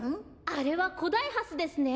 あれはコダイハスですね。